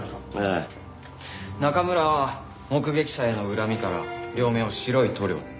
中村は目撃者への恨みから両目を白い塗料で。